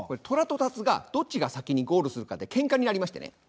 トラとタツがどっちが先にゴールするかでケンカになりましてね。